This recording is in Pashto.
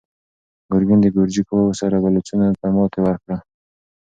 ګورګین د ګرجي قواوو سره بلوڅانو ته ماتې ورکړه.